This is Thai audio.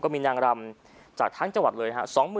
มีนางรำจากทั้งจังหวัดเลยฮะ